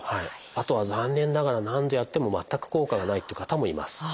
あとは残念ながら何度やっても全く効果がないという方もいます。